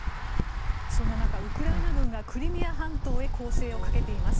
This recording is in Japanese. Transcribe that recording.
そんな中、ウクライナ軍がクリミア半島へ攻勢をかけています。